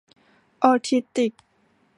ออทิสติก